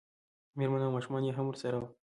مېرمنه او ماشومان یې هم ورسره وو.